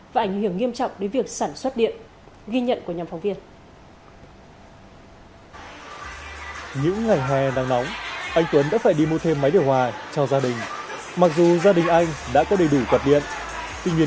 và ảnh hưởng nghiêm trọng